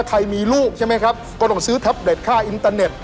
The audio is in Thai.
ใครมีลูกใช่ไหมครับก็ต้องซื้อแท็บเล็ตค่าอินเตอร์เน็ต